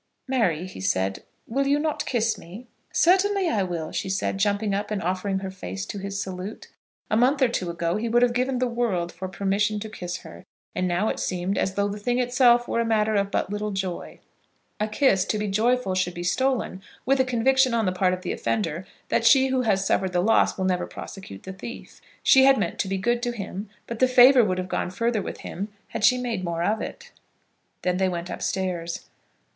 "Mary," he said, "will you not kiss me?" "Certainly I will," she said, jumping up, and offering her face to his salute. A month or two ago he would have given the world for permission to kiss her; and now it seemed as though the thing itself were a matter but of little joy. A kiss to be joyful should be stolen, with a conviction on the part of the offender that she who has suffered the loss will never prosecute the thief. She had meant to be good to him, but the favour would have gone further with him had she made more of it. Then they went up stairs.